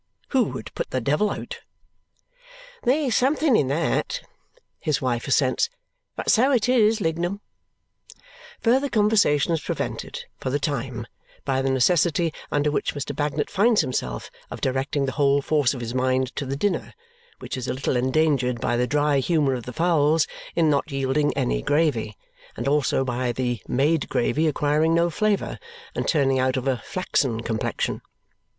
Who would put the devil out." "There's something in that," his wife assents; "but so it is, Lignum." Further conversation is prevented, for the time, by the necessity under which Mr. Bagnet finds himself of directing the whole force of his mind to the dinner, which is a little endangered by the dry humour of the fowls in not yielding any gravy, and also by the made gravy acquiring no flavour and turning out of a flaxen complexion.